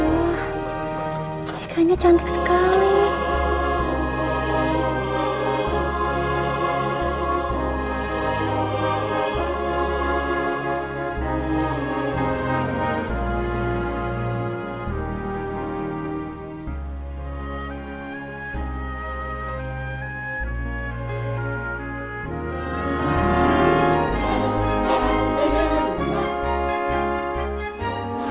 yang sein yang tak video bawah pandemia protect